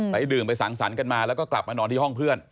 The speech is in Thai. ดื่มไปสั่งสรรค์กันมาแล้วก็กลับมานอนที่ห้องเพื่อน